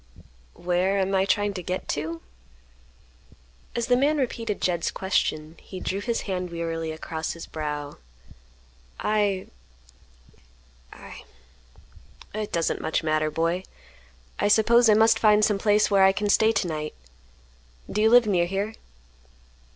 "Where am I trying to get to?" As the man repeated Jed's question, he drew his hand wearily across his brow; "I—I—it doesn't much matter, boy. I suppose I must find some place where I can stay to night. Do you live near here?"